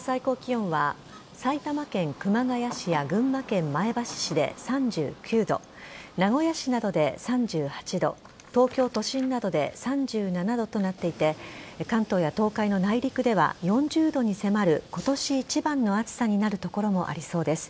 最高気温は埼玉県熊谷市や群馬県前橋市で３９度名古屋市などで３８度東京都心などで３７度となっていて関東や東海の内陸では４０度に迫る今年一番の暑さになる所もありそうです。